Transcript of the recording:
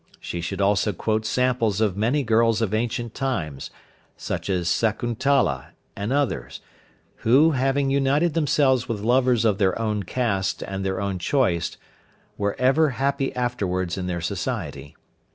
She should also quote samples of many girls of ancient times, such as Sakuntala and others, who, having united themselves with lovers of their own caste and their own choice, were ever happy afterwards in their society.